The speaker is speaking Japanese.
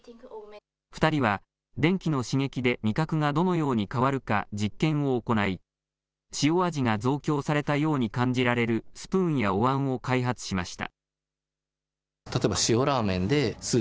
２人は電気の刺激で味覚がどのように変わるか実験を行い塩味が増強されたように感じられるスプーンやおわんを開発しました。